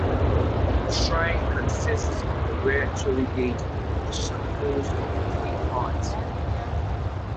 The shrine consists of a rare tori gate which is composed of three parts.